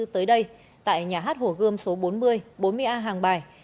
tới đây tại nhà hát hồ gươm số bốn mươi bốn mươi a hàng bài